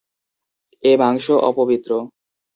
এ মাংস অপবিত্র।